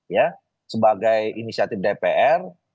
ya sebagai inisiatif dpr